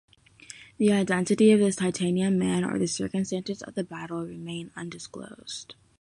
The identity of this Titanium Man or the circumstances of the battle remain undisclosed.